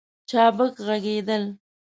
چابک ږغېدل